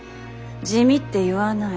地味って言わない。